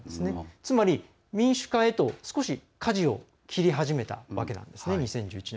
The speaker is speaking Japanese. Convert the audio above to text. つまり、民主化へと少しかじを切り始めたわけなんですね。